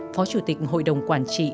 phó chủ tịch hội đồng quản trị